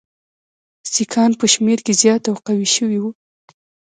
سیکهان په شمېر کې زیات او قوي شوي وو.